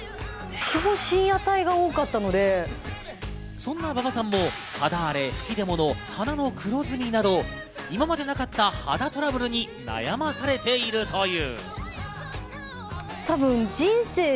そんな馬場さんも肌荒れ、吹き出もの、鼻の黒ずみなど、今までなかった肌トラブルに悩まされているという。